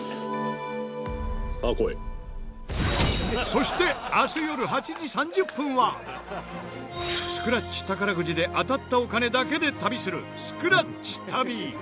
そしてスクラッチ宝くじで当たったお金だけで旅するスクラッチ旅！